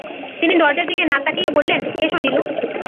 তিনি দরজার দিকে না তাকিয়েই বললেন, এস নীলু।